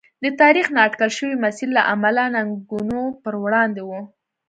د تاریخ نااټکل شوي مسیر له امله ننګونو پر وړاندې و.